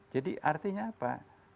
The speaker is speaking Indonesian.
jadi artinya apa